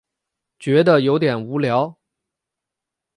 觉得有点无聊